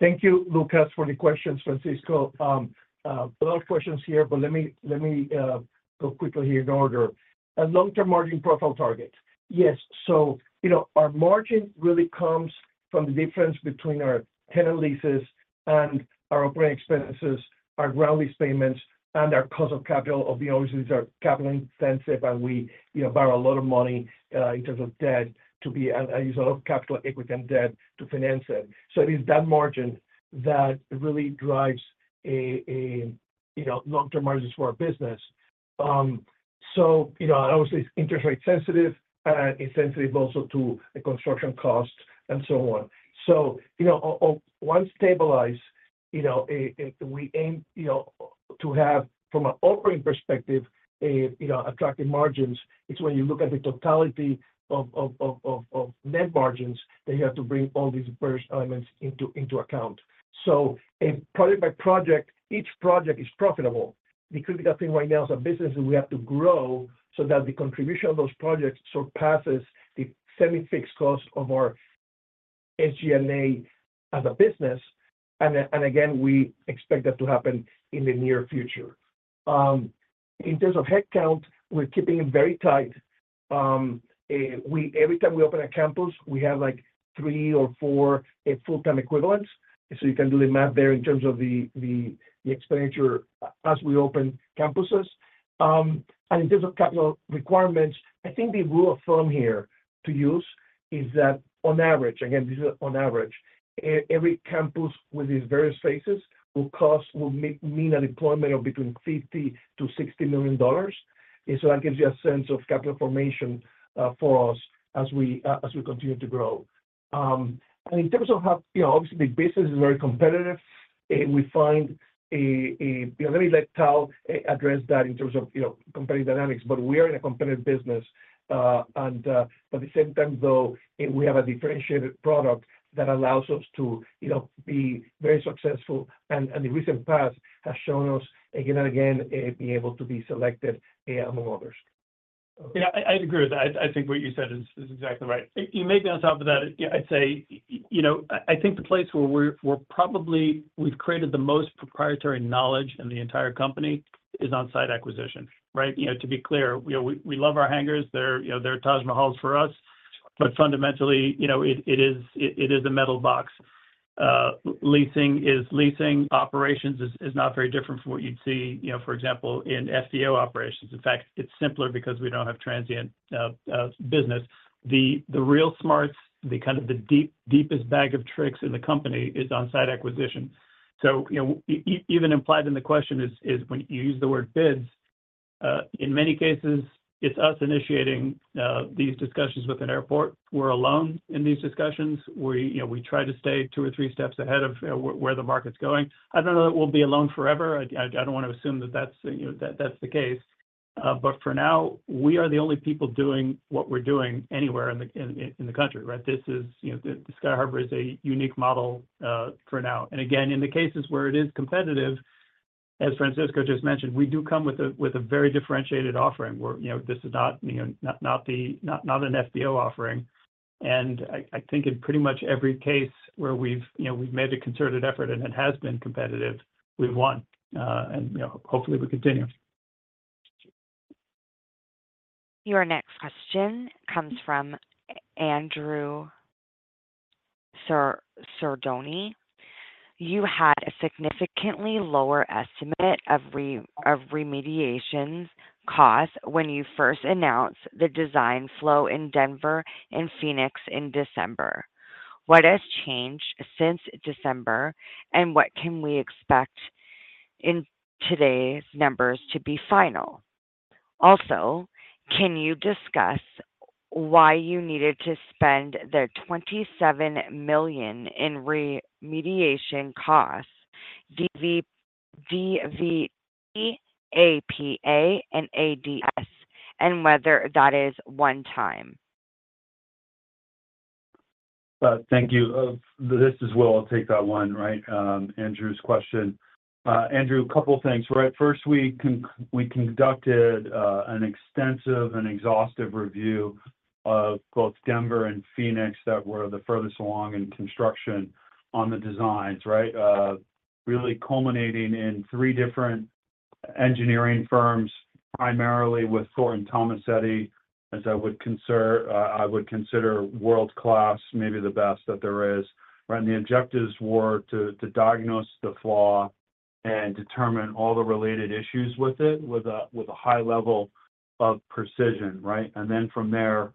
Thank you, Lucas, for the questions. Francisco, a lot of questions here, but let me go quickly here in order. A long-term margin profile target. Yes, so, you know, our margin really comes from the difference between our tenant leases and our operating expenses, our ground lease payments, and our cost of capital, obviously, these are capital intensive, and we, you know, borrow a lot of money in terms of debt, to be, and use a lot of capital, equity, and debt to finance it. So it is that margin that really drives a, you know, long-term margins for our business. So, you know, obviously, it's interest rate sensitive and it's sensitive also to the construction costs and so on. So, you know, once stabilized, you know, we aim, you know, to have, from an operating perspective, attractive margins. It's when you look at the totality of net margins, that you have to bring all these various elements into account. So project by project, each project is profitable. The critical thing right now is, as a business, we have to grow so that the contribution of those projects surpasses the semi-fixed costs of our SG&A as a business, and again, we expect that to happen in the near future. In terms of headcount, we're keeping it very tight. Every time we open a campus, we have, like, three or four full-time equivalents. So you can do the math there in terms of the expenditure as we open campuses. And in terms of capital requirements, I think the rule of thumb here to use is that on average, again, this is on average, every campus with these various phases will mean a deployment of between $50 million-$60 million. And so that gives you a sense of capital formation for us as we continue to grow. And in terms of how, you know, obviously, the business is very competitive, and we find a, you know, let Tal address that in terms of, you know, competitive dynamics. But we are in a competitive business, and but at the same time, though, we have a differentiated product that allows us to, you know, be very successful. And the recent past has shown us, again and again, be able to be selected among others. Yeah, I agree with that. I think what you said is exactly right. You may be on top of that, yeah, I'd say, you know, I think the place where we're probably, we've created the most proprietary knowledge in the entire company is on-site acquisition, right? You know, to be clear, you know, we love our hangars. They're, you know, they're Taj Mahals for us. But fundamentally, you know, it is a metal box. Leasing is leasing, operations is not very different from what you'd see, you know, for example, in FBO operations. In fact, it's simpler because we don't have transient business. The real smarts, the kind of the deepest bag of tricks in the company is on-site acquisition. So, you know, even implied in the question is, when you use the word bids, in many cases, it's us initiating these discussions with an airport. We're alone in these discussions. We, you know, we try to stay two or three steps ahead of where the market's going. I don't know that we'll be alone forever. I don't want to assume that that's, you know, that that's the case. But for now, we are the only people doing what we're doing anywhere in the country, right? This is, you know, the Sky Harbour is a unique model, for now. And again, in the cases where it is competitive, as Francisco just mentioned, we do come with a very differentiated offering, where, you know, this is not, you know, not an FBO offering. I think in pretty much every case where we've, you know, we've made a concerted effort and it has been competitive, we've won, and, you know, hopefully, we continue. Your next question comes from Andrew Serdoni. You had a significantly lower estimate of remediation costs when you first announced the design flow in Denver and Phoenix in December. What has changed since December, and what can we expect in today's numbers to be final? Also, can you discuss why you needed to spend the $27 million in remediation costs?... DVT, APA, and ADS, and whether that is one time? Thank you. This as well, I'll take that one, right? Andrew's question. Andrew, a couple of things, right? First, we conducted an extensive and exhaustive review of both Denver and Phoenix that were the furthest along in construction on the designs, right? Really culminating in three different engineering firms, primarily with Thornton Tomasetti, as I would consider world-class, maybe the best that there is. Right, and the objectives were to diagnose the flaw and determine all the related issues with it with a high level of precision, right? Then from there,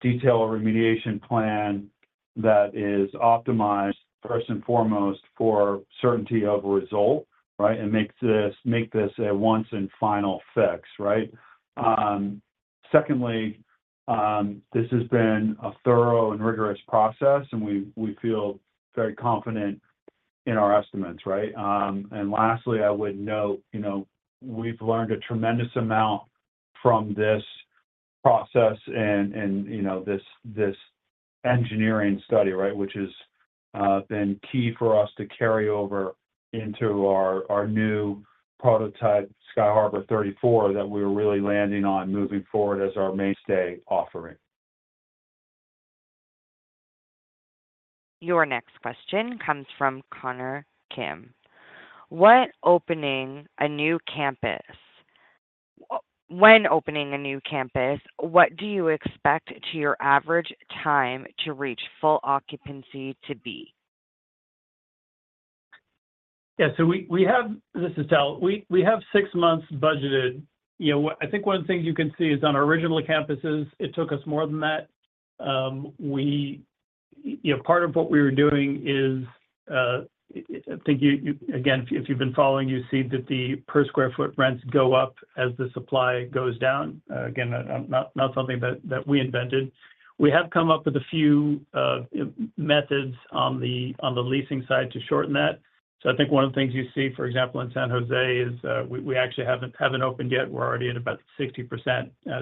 detail a remediation plan that is optimized, first and foremost, for certainty of a result, right? And make this a once and final fix, right? Secondly, this has been a thorough and rigorous process, and we feel very confident in our estimates, right? And lastly, I would note, you know, we've learned a tremendous amount from this process and, you know, this engineering study, right, which has been key for us to carry over into our new prototype, Sky Harbour 34, that we're really landing on moving forward as our mainstay offering. Your next question comes from Connor Kim: When opening a new campus, what do you expect to your average time to reach full occupancy to be? Yeah, so we have... This is Al. We have six months budgeted. You know, I think one of the things you can see is on our original campuses, it took us more than that. We, you know, part of what we were doing is, I think you again, if you've been following, you see that the per sq ft rents go up as the supply goes down. Again, not something that we invented. We have come up with a few methods on the leasing side to shorten that. So I think one of the things you see, for example, in San José, is we actually haven't opened yet, we're already at about 60%.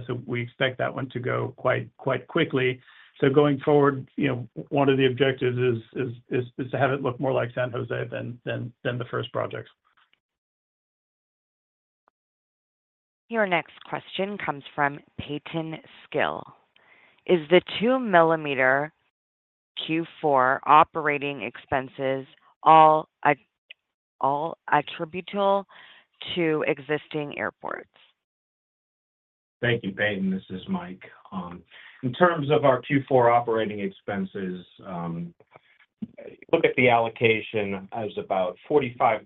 So we expect that one to go quite quickly. Going forward, you know, one of the objectives is to have it look more like San José than the first projects. Your next question comes from Peyton Skill. Is the $2 million Q4 operating expenses all attributable to existing airports? Thank you, Peyton. This is Mike. In terms of our Q4 operating expenses, look at the allocation as about 45%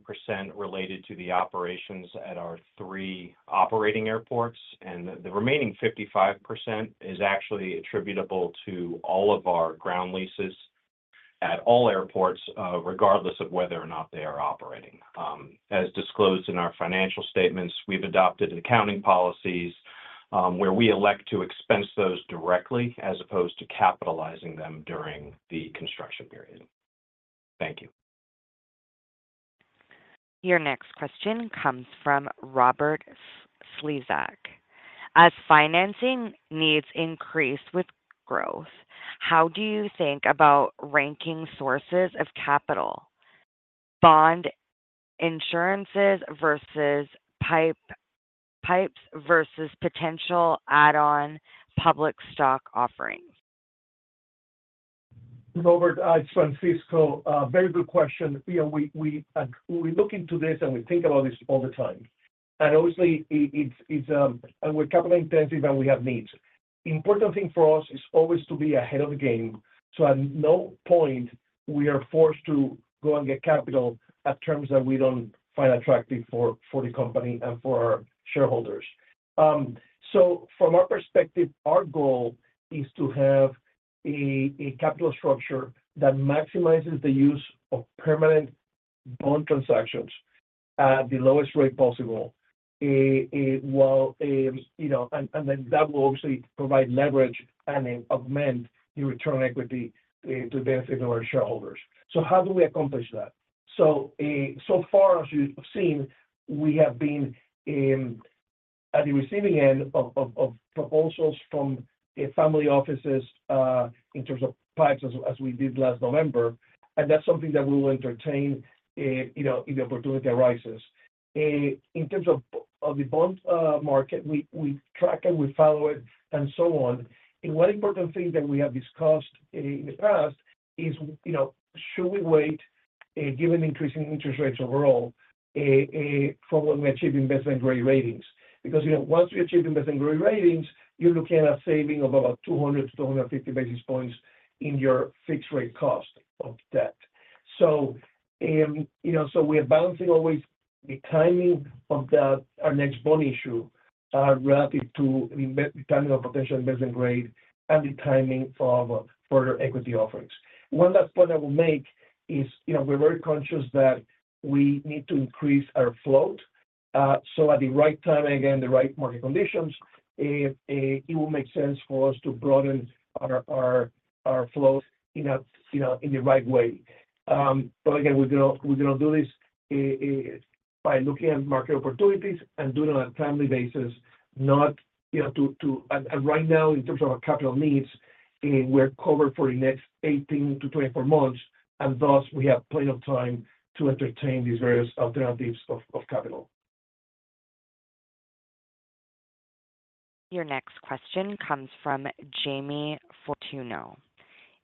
related to the operations at our three operating airports, and the remaining 55% is actually attributable to all of our ground leases at all airports, regardless of whether or not they are operating. As disclosed in our financial statements, we've adopted accounting policies, where we elect to expense those directly as opposed to capitalizing them during the construction period. Thank you. Your next question comes from Robert Slezak: As financing needs increase with growth, how do you think about ranking sources of capital, bond issuances versus PIPEs versus potential add-on public stock offerings? Robert, it's Francisco. A very good question. You know, we look into this, and we think about this all the time. Obviously, it's, and we're capital intensive, and we have needs. Important thing for us is always to be ahead of the game, so at no point we are forced to go and get capital at terms that we don't find attractive for the company and for our shareholders. So from our perspective, our goal is to have a capital structure that maximizes the use of permanent bond transactions at the lowest rate possible. While, you know, and then that will obviously provide leverage and augment the return on equity to benefit our shareholders. So how do we accomplish that? So far as you've seen, we have been at the receiving end of proposals from family offices in terms of PIPEs, as we did last November, and that's something that we will entertain, you know, if the opportunity arises. In terms of the bond market, we track it, we follow it, and so on. One important thing that we have discussed in the past is, you know, should we wait, given increasing interest rates overall, before we achieve investment-grade ratings? Because, you know, once we achieve investment-grade ratings, you're looking at a saving of about 200-250 basis points in your fixed rate cost of debt. So, you know, we are balancing always the timing of our next bond issue relative to the timing of potential investment grade and the timing of further equity offerings. One last point I will make is, you know, we're very conscious that we need to increase our float. So at the right time, again, the right market conditions, it will make sense for us to broaden our float in a, you know, in the right way. But again, we're gonna do this by looking at market opportunities and doing it on a timely basis, not, you know, to, to. And right now, in terms of our capital needs, we're covered for the next 18-24 months, and thus, we have plenty of time to entertain these various alternatives of capital. Your next question comes from Jamie Fortuno.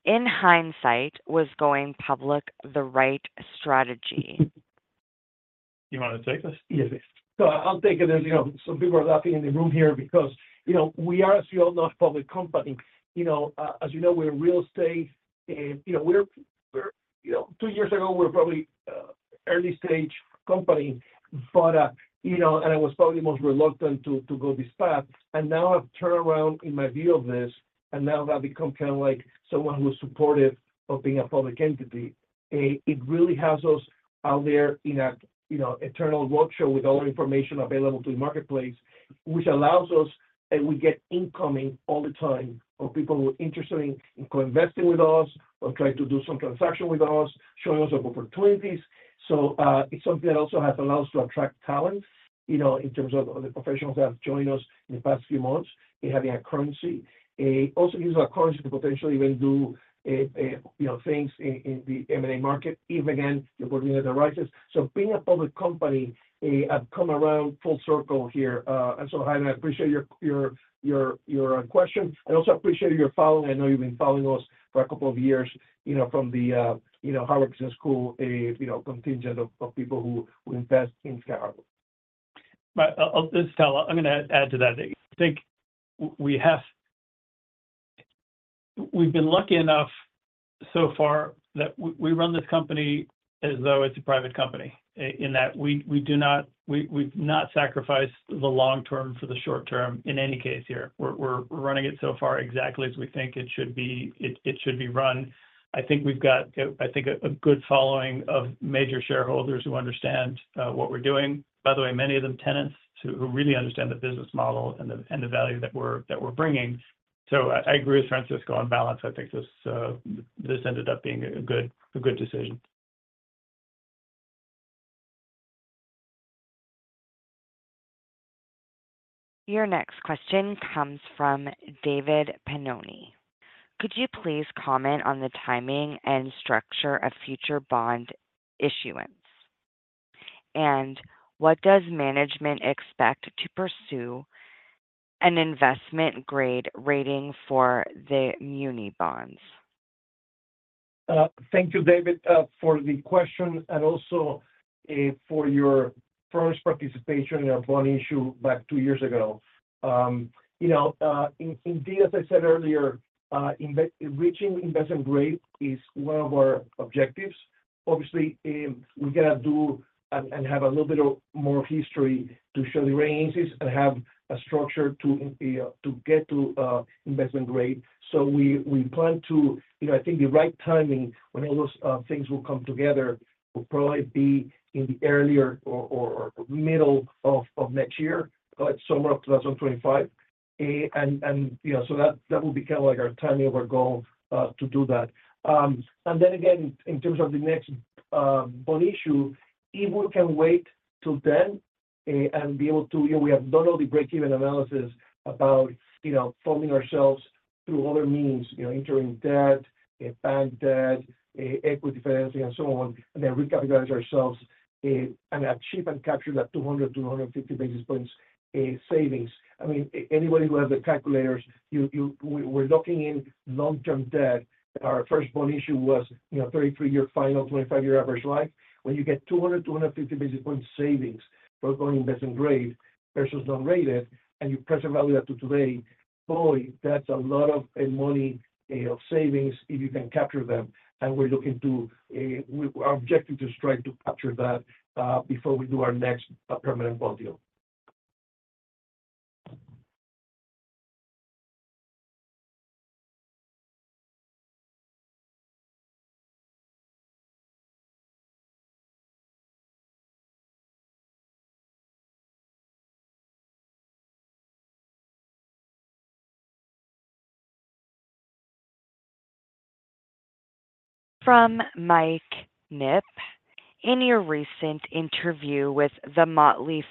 In hindsight, was going public the right strategy? You want to take this? Yes. So I'll take it. And, you know, some people are laughing in the room here because, you know, we are, as you all know, a public company. You know, as you know, we're a real estate, you know, we're-- You know, two years ago, we were probably, early stage company, but, you know, and I was probably the most reluctant to go this path. And now I've turned around in my view of this, and now I've become kind of like someone who's supportive of being a public entity. It really has us out there in a, you know, eternal virtual with all the information available to the marketplace, which allows us, and we get incoming all the time of people who are interested in co-investing with us or trying to do some transaction with us, showing us opportunities. So, it's something that also has allowed us to attract talent, you know, in terms of the professionals that have joined us in the past few months in having a currency. Also gives us a currency to potentially even do, you know, things in, in the M&A market, if, again, the opportunity are right. So being a public company, I've come around full circle here. And so, Jamie, I appreciate your, your, your, your, question. I also appreciate your following. I know you've been following us for a couple of years, you know, from the, you know, Harvard Business School, you know, contingent of, of people who, who invest in Sky Harbour. This is Tal. I'm gonna add, add to that. I think we have. We've been lucky enough so far that we run this company as though it's a private company, in that we, we do not. We, we've not sacrificed the long term for the short term in any case here. We're, we're running it so far exactly as we think it should be, it, it should be run. I think we've got, I think, a, a good following of major shareholders who understand what we're doing. By the way, many of them, tenants, who really understand the business model and the, and the value that we're, that we're bringing. So I, I agree with Francisco. On balance, I think this, this ended up being a good, a good decision. Your next question comes from David Pennoni. Could you please comment on the timing and structure of future bond issuance? And what does management expect to pursue an investment grade rating for the muni bonds? Thank you, David, for the question and also, for your first participation in our bond issue back two years ago. You know, indeed, as I said earlier, reaching investment grade is one of our objectives. Obviously, we got to do and have a little bit of more history to show the ranges and have a structure to, to get to, investment grade. So we plan to... You know, I think the right timing when all those, things will come together will probably be in the earlier or middle of next year, summer of 2025. And you know, so that will be kind of like our timing of our goal, to do that. And then again, in terms of the next bond issue, if we can wait till then, and be able to, you know, we have done all the break-even analysis about, you know, funding ourselves through other means, you know, entering debt, bank debt, equity financing, and so on, and then recapitalize ourselves, and achieve and capture that 200-250 basis points savings. I mean, anybody who has the calculators, you, you-- we're looking in long-term debt. Our first bond issue was, you know, 33-year final, 25-year average life. When you get 200-250 basis point savings, both going investment grade versus non-rated, and you present value that to today, boy, that's a lot of money savings if you can capture them. We're looking to our objective to strive to capture that before we do our next permanent bond deal. From Mike Knipp. In your recent interview with The Motley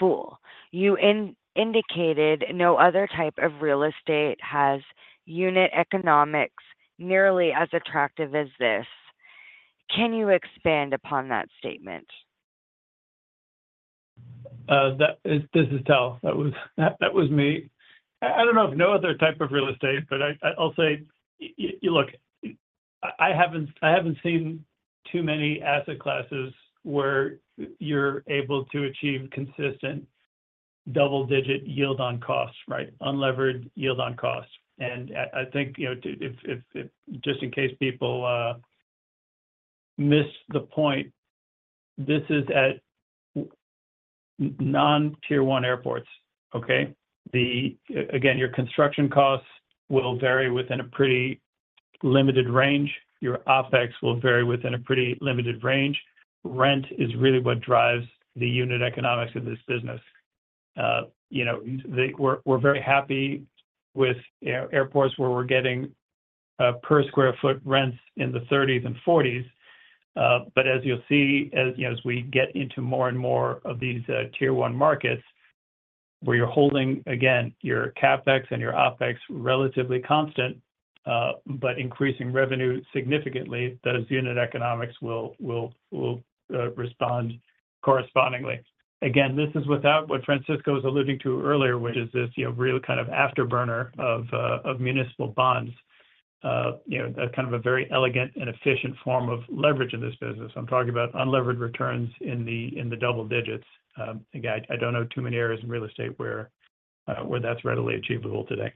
Fool, you indicated no other type of real estate has unit economics nearly as attractive as this. Can you expand upon that statement? This is Tal. That was me. I don't know of no other type of real estate, but I'll say, look, I haven't seen too many asset classes where you're able to achieve consistent double-digit yield on costs, right? Unlevered yield on costs. And I think, you know, if just in case people miss the point, this is at non Tier 1 airports, okay? Again, your construction costs will vary within a pretty limited range, your OpEx will vary within a pretty limited range. Rent is really what drives the unit economics of this business. You know, we're very happy with, you know, airports where we're getting per sq ft rents in the $30s and $40s. But as you'll see, as you know, as we get into more and more of these Tier 1 markets, where you're holding, again, your CapEx and your OpEx relatively constant, but increasing revenue significantly, those unit economics will respond correspondingly. Again, this is without what Francisco was alluding to earlier, which is this, you know, real kind of afterburner of municipal bonds. You know, a kind of a very elegant and efficient form of leverage in this business. I'm talking about unlevered returns in the double digits. Again, I don't know too many areas in real estate where that's readily achievable today.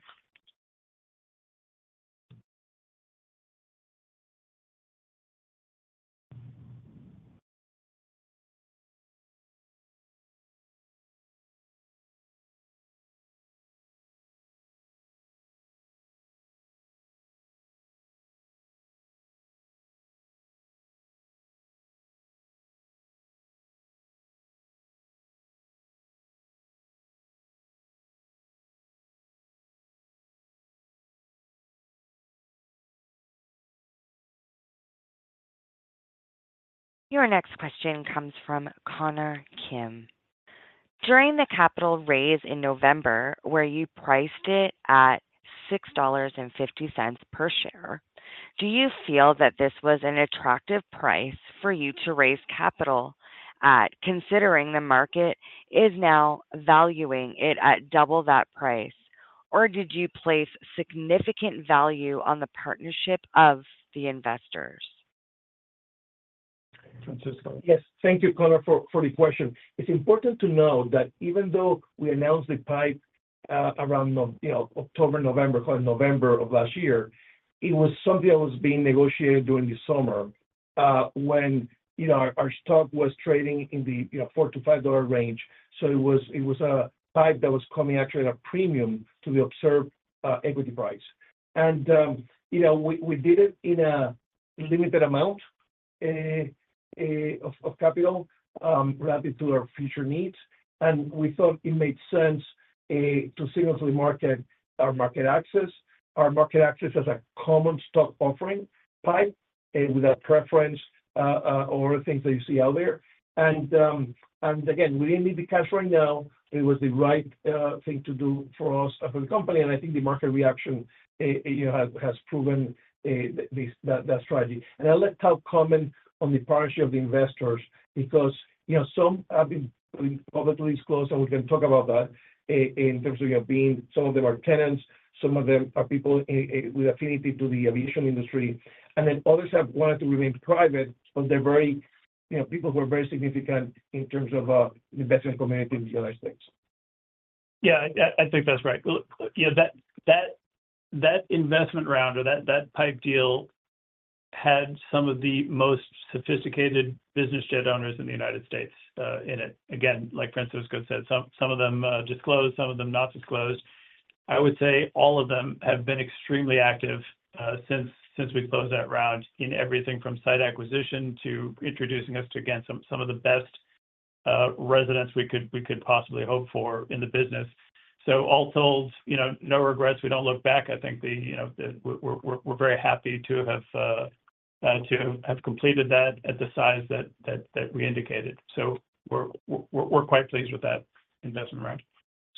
Your next question comes from Connor Kim. During the capital raise in November, where you priced it at $6.50 per share, do you feel that this was an attractive price for you to raise capital at, considering the market is now valuing it at double that price? Or did you place significant value on the partnership of the investors? Francisco? Yes. Thank you, Connor, for the question. It's important to know that even though we announced the PIPE around, you know, October, November, called November of last year, it was something that was being negotiated during the summer, when, you know, our stock was trading in the, you know, $4-$5 range. So it was a PIPE that was coming actually at a premium to the observed equity price. And, you know, we did it in a limited amount of capital relative to our future needs, and we thought it made sense to significantly market our market access. Our market access as a common stock offering PIPE, and without preference or things that you see out there. And again, we didn't need the cash right now. It was the right thing to do for us, as a company, and I think the market reaction, you know, has proven that strategy. And I'll let Tal comment on the partnership of the investors, because, you know, some have been publicly disclosed, and we can talk about that in terms of, you know, being some of them are tenants, some of them are people with affinity to the aviation industry. And then others have wanted to remain private, but they're very, you know, people who are very significant in terms of investment community in the United States. Yeah, I, I think that's right. Well, yeah, that, that, that investment round or that, that PIPE deal had some of the most sophisticated business jet owners in the United States in it. Again, like Francisco said, some, some of them disclosed, some of them not disclosed. I would say all of them have been extremely active since, since we closed that round, in everything from site acquisition to introducing us to, again, some, some of the best residents we could, we could possibly hope for in the business. So all told, you know, no regrets, we don't look back. I think the, you know, the-- we're, we're, we're very happy to have to have completed that at the size that, that, that we indicated. So we're, we're, we're quite pleased with that investment round.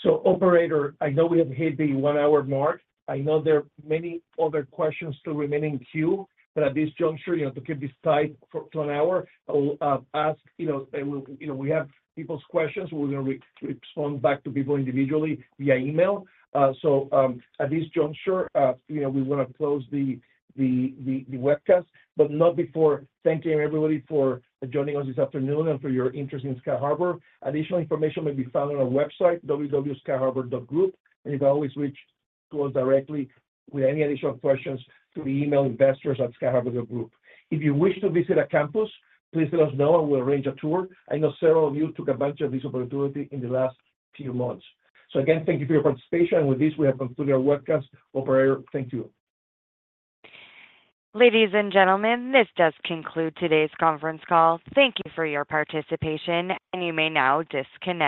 So operator, I know we have hit the one-hour mark. I know there are many other questions still remaining in queue, but at this juncture, you know, to keep this tight for, to an hour, I will ask, you know, and we, you know, we have people's questions. We're going to respond back to people individually via email. So, at this juncture, you know, we want to close the webcast, but not before thanking everybody for joining us this afternoon and for your interest in Sky Harbour. Additional information may be found on our website, www.skyharbour.group, and you can always reach to us directly with any additional questions through the email investors@skyharbour.group. If you wish to visit our campus, please let us know, and we'll arrange a tour. I know several of you took advantage of this opportunity in the last few months. So again, thank you for your participation, and with this, we have concluded our webcast. Operator, thank you. Ladies and gentlemen, this does conclude today's conference call. Thank you for your participation, and you may now disconnect.